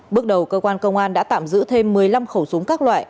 bước đầu cơ quan công an đã tạm giữ thêm một mươi năm khẩu súng các loại